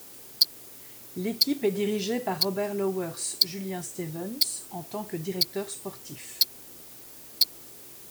L'équipe est dirigée par Robert Lauwers, Julien Stevens en tant que directeurs sportifs.